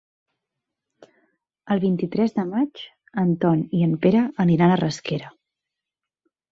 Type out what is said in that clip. El vint-i-tres de maig en Ton i en Pere aniran a Rasquera.